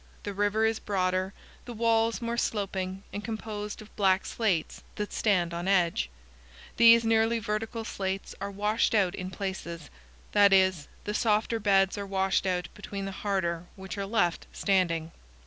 The river is broader, the walls more sloping, and composed of black slates that stand on edge. These nearly vertical slates are washed out in places that is, the softer beds are washed out between the harder, which are left standing.